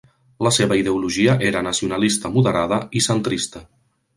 La seva ideologia era nacionalista moderada i centrista.